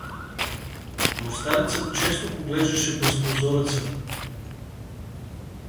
Но старецът често поглеждаше през прозореца.